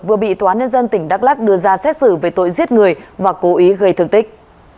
vừa bị tòa án nhân dân tỉnh đắk lắc đưa ra xét xử về tội giết người và cố ý gây thương tích